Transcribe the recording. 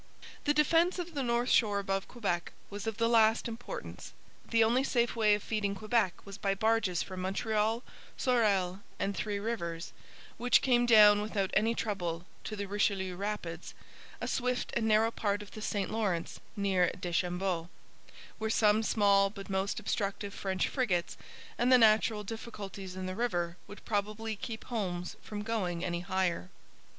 The defence of the north shore above Quebec was of the last importance. The only safe way of feeding Quebec was by barges from Montreal, Sorel, and Three Rivers, which came down without any trouble to the Richelieu rapids, a swift and narrow part of the St Lawrence near Deschambault, where some small but most obstructive French frigates and the natural difficulties in the river would probably keep Holmes from going any higher.